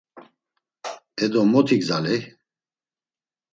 “E do mot igzaley?”